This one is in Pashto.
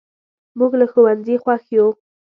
موږ له ښوونځي خوښ یو.